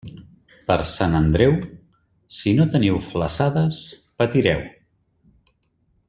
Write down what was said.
Per Sant Andreu, si no teniu flassades, patireu.